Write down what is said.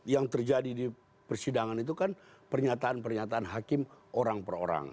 yang terjadi di persidangan itu kan pernyataan pernyataan hakim orang per orang